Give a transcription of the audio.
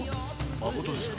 まことですか？